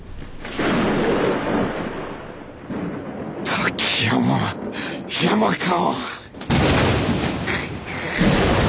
滝山山川。